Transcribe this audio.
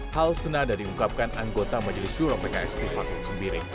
hal senada diungkapkan anggota majelis surau pks trivatul sendiri